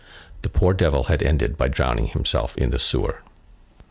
The poor devil had ended by drowning himself in the sewer.